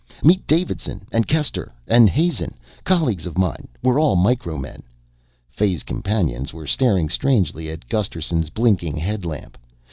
"Meet Davidson and Kester and Hazen, colleagues of mine. We're all Micro men." Fay's companions were staring strangely at Gusterson's blinking headlamp.